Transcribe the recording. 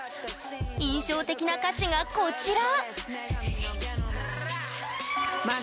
印象的な歌詞がこちら